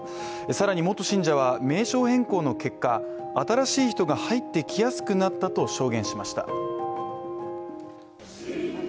更に元信者は名称変更の結果新しい人が入ってきやすくなったと証言しました。